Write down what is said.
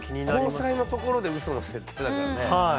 「交際」のところで「ウソの設定」だからね。